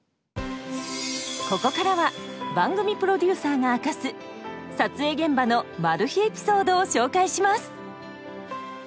ここからは番組プロデューサーが明かす撮影現場のエピソードを紹介します。